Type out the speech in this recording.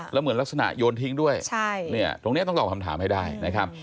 แล้วเหมือนลักษณะโยนทิ้งด้วยตรงนี้ต้องตอบคำถามให้ได้นะครับ